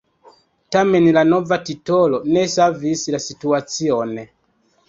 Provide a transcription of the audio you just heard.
Tamen la nova titolo ne savis la situacion.